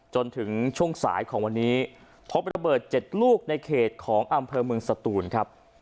จนถึงช่วงสายของวันนี้พบระเบิด๗ลูกในเขตของอำเภอเมืองสตูนครับ